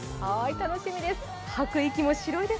楽しみです。